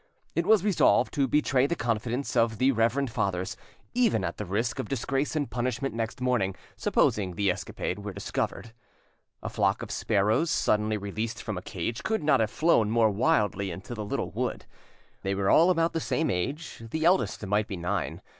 It was resolved to betray the confidence of the reverend fathers, even at the risk of disgrace and punishment next morning, supposing the escapade were discovered. A flock of sparrows suddenly released from a cage could not have flown more wildly into the little wood. They were all about the same age, the eldest might be nine.